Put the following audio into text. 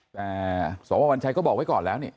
แต่สววัญชัยก็บอกไว้ก่อนแล้วนี่